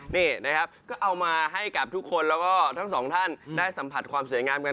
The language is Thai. นี่นะครับก็เอามาให้กับทุกคนแล้วก็ทั้งสองท่านได้สัมผัสความสวยงามกัน